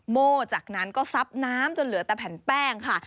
โม่จากนั้นก็ซับน้ำจนเหลือแต่แผ่นแป้งค่ะ